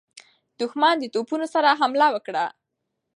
دښمن د توپونو سره حمله وکړه.